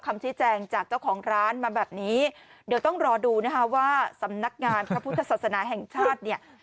คำชี้แจงจากเจ้าของร้านมาแบบนี้เดี๋ยวต้องรอดูนะคะว่าสำนักงานพระพุทธศาสนาแห่งชาติเนี่ย